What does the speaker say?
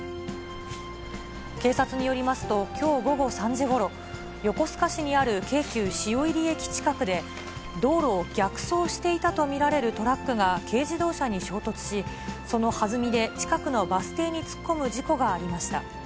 警察によりますと、きょう午後３時ごろ、横須賀市にある京急汐入駅近くにある道路を逆走していたと見られるトラックが軽自動車に衝突し、そのはずみで近くのバス停に突っ込む事故がありました。